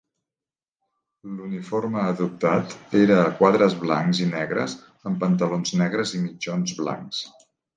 L'uniforme adoptat era a quadres blancs i negres amb pantalons negres i mitjons blancs.